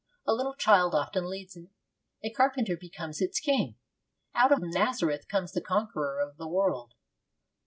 A little child often leads it. A Carpenter becomes its king. Out of Nazareth comes the Conqueror of the World.